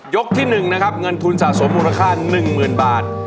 ยกที่หนึ่งนะครับเงินทุนสะสมมูลค่าหนึ่งหมื่นบาท